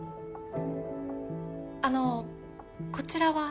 あのこちらは？